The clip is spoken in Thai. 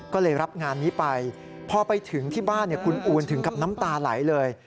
ก็เลยรับงานนี้ไปพอไปถึงที่บ้านคุณอูนถึงกับน้ำตาไหลเลย